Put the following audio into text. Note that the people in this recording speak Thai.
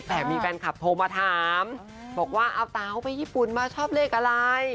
แต่มีแฟนคลับโทรมาถามบอกว่าเอาเต๋าไปญี่ปุ่นมาชอบเลขอะไร